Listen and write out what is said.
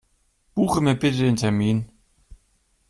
Buche mir bitten den Termin.